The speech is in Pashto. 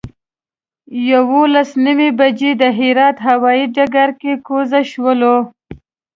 یولس نیمې بجې د هرات هوایي ډګر کې کوز شولو.